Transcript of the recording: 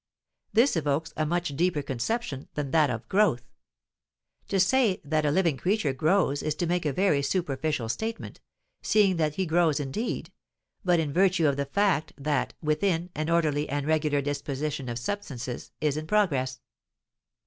This evokes a much deeper conception than that of "growth." To say that a living creature grows is to make a very superficial statement, seeing that he grows indeed, but in virtue of the fact that, within, an orderly and regular disposition of substances is in progress.